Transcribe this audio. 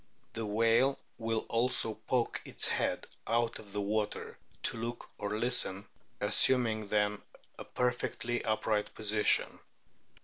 The whale will also poke its head out of the water to look or listen, assuming then a perfectly upright position.